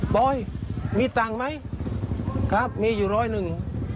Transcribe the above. ปอยมีตังค์ไหมครับมีอยู่ร้อยหนึ่ง